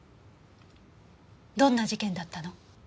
どんな事件だったの？